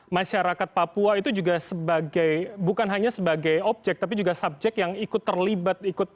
masyarakat papua itu juga sebagai bukan hanya sebagai objek tapi juga subjek yang ikut terlibat